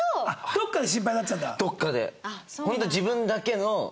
どっかで。